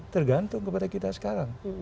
tergantung kepada kita sekarang